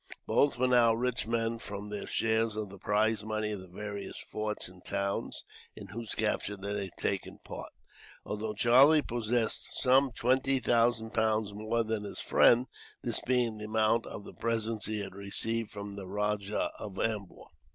Both were now rich men, from their shares of the prize money of the various forts and towns, in whose capture they had taken part; although Charlie possessed some twenty thousand pounds more than his friend, this being the amount of the presents he had received, from the Rajah of Ambur.